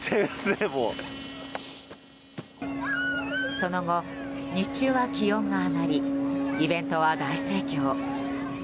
その後、日中は気温が上がりイベントは大盛況。